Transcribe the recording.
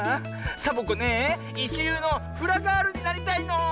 サボ子ねえいちりゅうのフラガールになりたいの！